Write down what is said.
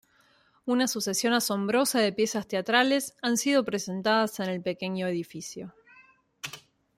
Una sucesión asombrosa de piezas teatrales han sido presentadas en el pequeño edificio.